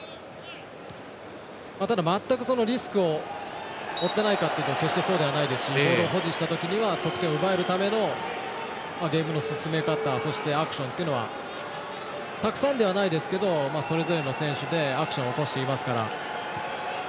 ただ、全くリスクを負ってないかというと決してそうではないですしボールを保持したときには得点を奪うためのゲームの進め方そして、アクションっていうのはたくさんではないですけどそれぞれの選手でアクションを起こしていますから。